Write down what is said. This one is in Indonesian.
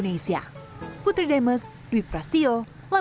bagaimana menurut anda